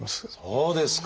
そうですか！